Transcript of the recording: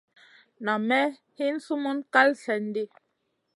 Nam may hin summun kal slèn di.